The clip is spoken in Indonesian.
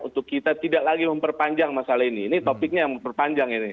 untuk kita tidak lagi memperpanjang masalah ini ini topiknya yang memperpanjang ini